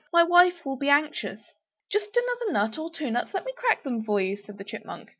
My wife will be anxious!" "Just another nut or two nuts; let me crack them for you," said the Chipmunk.